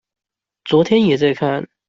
昨天也在看